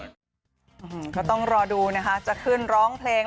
ก็ต้องรอดูนะคะจะขึ้นร้องเพลง